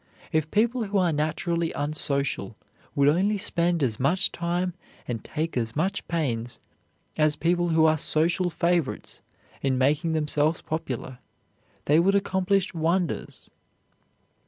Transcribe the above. If people who are naturally unsocial would only spend as much time and take as much pains as people who are social favorites in making themselves popular, they would accomplish wonders.